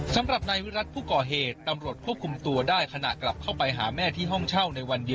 เสมอมาเป็นการจัดการที่คนที่ครอบครัวในตอนร้าน